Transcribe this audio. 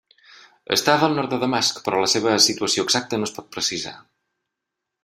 Estava al nord de Damasc, però la seva situació exacta no es pot precisar.